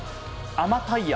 甘タイヤ。